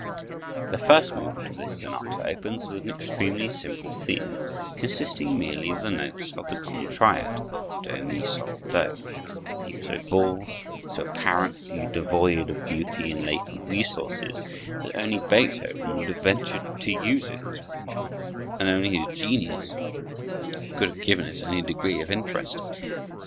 The first movement of this sonata opens with an extremely simple theme, consisting merely of the notes of the common triad—do mi sol do—a theme so bald, so apparently devoid of beauty and latent resources that only Beethoven would have ventured to use it; and only his genius could have given it any degree of interest.